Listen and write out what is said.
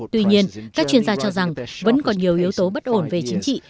tuy nhiên các chuyên gia cho rằng vẫn còn nhiều yếu tố bất ổn về chính trị